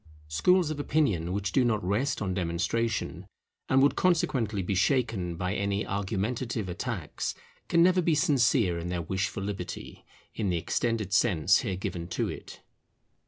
Schools of opinion which do not rest on demonstration, and would consequently be shaken by any argumentative attacks, can never be sincere in their wish for Liberty, in the extended sense here given to it.